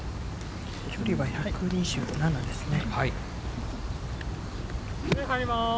距離は１２７ですね。